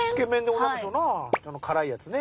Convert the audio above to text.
あの辛いやつね？